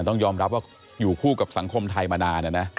ต้องยอมรับว่าอยู่คู่กับสังคมไทยมานานนะนะ